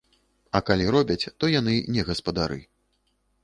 А калі робяць, то яны не гаспадары.